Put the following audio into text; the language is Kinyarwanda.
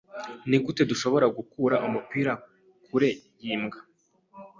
Nigute dushobora gukura umupira kure yimbwa?